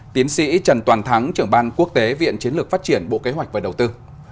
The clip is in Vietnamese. tiến sĩ trần toàn thắng trưởng ban quốc tế viện chiến lược phát triển bộ kế hoạch và đầu tư